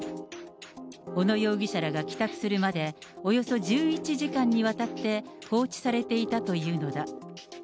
小野容疑者らが帰宅するまで、およそ１１時間にわたって放置されていたというのだ。